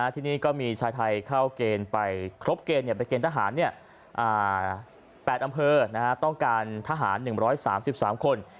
ที่นี่ก็มีชายไทยเข้าเกณฑ์ไปครบเกณฑ์ไปเกณฑหาร๘อำเภอต้องการทหาร๑๓๓คน